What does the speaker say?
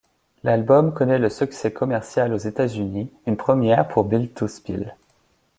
L’album connaît le succès commercial aux États-Unis, une première pour Built to Spill.